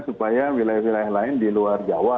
supaya wilayah wilayah lain di luar jawa